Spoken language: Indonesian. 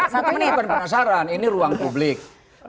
satu menit penasaran ini ruang publik